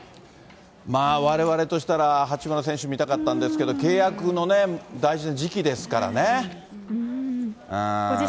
まあ、われわれとしたら、八村選手、見たかったんですけど、契約のね、大事な時期ですからね。